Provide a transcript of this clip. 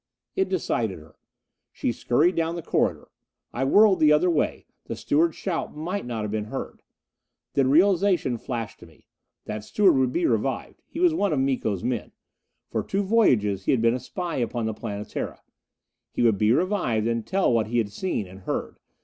It decided her. She scurried down the corridor. I whirled the other way. The steward's shout might not have been heard. Then realization flashed to me. That steward would be revived. He was one of Miko's men: for two voyages he had been a spy upon the Planetara. He would be revived and tell what he had seen and heard.